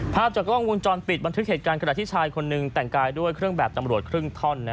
ภาพจากกล้องวงจรปิดบันทึกเหตุการณ์ขณะที่ชายคนหนึ่งแต่งกายด้วยเครื่องแบบตำรวจครึ่งท่อน